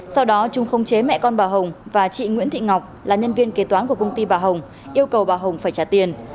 sau đó trung không chế mẹ con bà hồng và chị nguyễn thị ngọc là nhân viên kế toán của công ty bà hồng yêu cầu bà hồng phải trả tiền